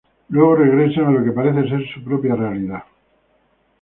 Luego regresan a lo que parece ser su propia realidad.